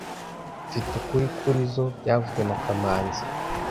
Mfite ukuri kurizoi byavuzwe na kamanzi